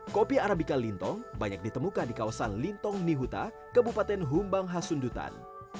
kopi arabica lintong banyak ditemukan di kawasan lintong nihuta kebupaten humbang hasundutan